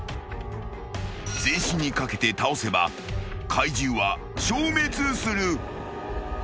［全身にかけて倒せば怪獣は消滅する］